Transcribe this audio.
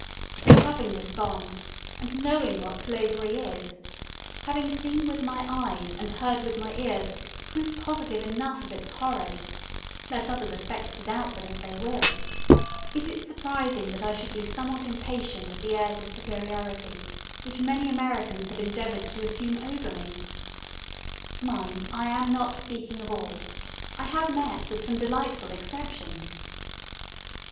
And having this bond, and knowing what slavery is; having seen with my eyes and heard with my ears proof positive enough of its horrors let others affect to doubt them if they will is it surprising that I should be somewhat impatient of the airs of superiority which many Americans have endeavoured to assume over me? Mind, I am not speaking of all. I have met with some delightful exceptions.